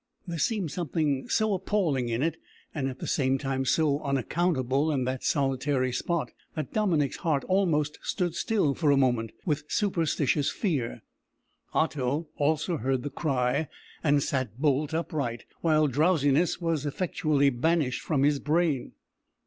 There seemed something so appalling in it, and at the same time so unaccountable in that solitary spot, that Dominick's heart almost stood still for a moment with superstitious fear. Otto also heard the cry, and sat bolt upright, while drowsiness was effectually banished from his brain.